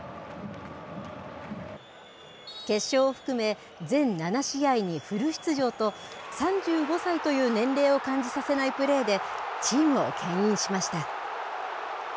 決勝を含め、全７試合にフル出場と、３５歳という年齢を感じさせないプレーで、チームをけん引しました。